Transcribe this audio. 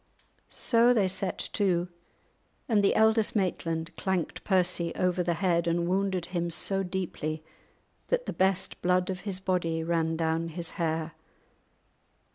So they set to, and the eldest Maitland clanked Percy over the head and wounded him so deeply that the best blood of his body ran down his hair.